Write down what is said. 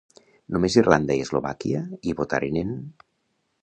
Només Irlanda i Eslovàquia hi votaren en.